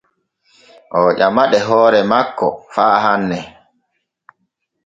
Oo ƴamaɗe hoore makko faa hanne.